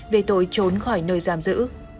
về tội trốn khỏi nơi giam giữ